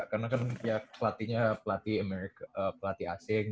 karena kan pelatihnya pelatih asing